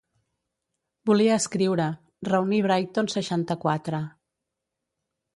Volia escriure, reunir Brighton seixanta-quatre.